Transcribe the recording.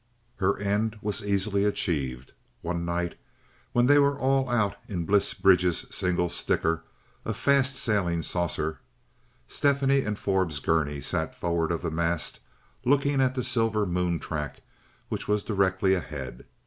Her end was easily achieved. One night, when they were all out in Bliss Bridge's single sticker—a fast sailing saucer—Stephanie and Forbes Gurney sat forward of the mast looking at the silver moon track which was directly ahead.